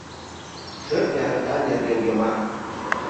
ШӦРТНЬӦ АГЫТАН НЕРГЕН ЙОМАК